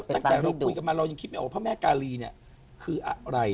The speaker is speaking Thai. ตั้งแต่เราคุยกันมาเรายังคิดไม่ออกพระแม่กาลีเนี่ยคืออะไร